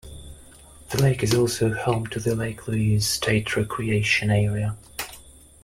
The lake is also home to the Lake Louise State Recreation Area.